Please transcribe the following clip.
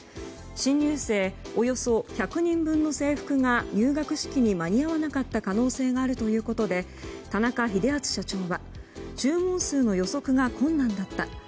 新入生およそ１００人分の制服が入学式に間に合わなかった可能性があるということで田中秀篤社長は注文数の予測が困難だった。